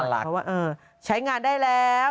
เพราะว่าใช้งานได้แล้ว